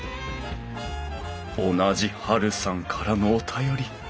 同じはるさんからのお便り。